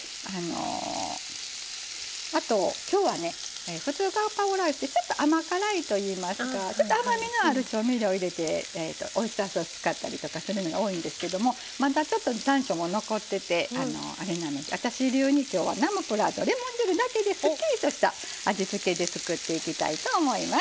あと今日は普通ガパオライスってちょっと甘辛いといいますかちょっと甘みのある調味料入れてオイスターソース使ったりとかするのが多いんですけどもまだちょっと残暑も残っててあれなので私流に今日はナムプラーとレモン汁だけですっきりとした味付けで作っていきたいと思います。